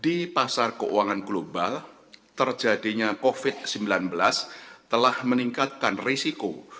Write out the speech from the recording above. di pasar keuangan global terjadinya covid sembilan belas telah meningkatkan risiko